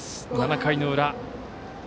７回の裏。